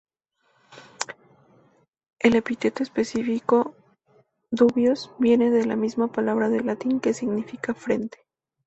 El epíteto específico "dubius" viene de la misma palabra del latín, que significa ‘frente’.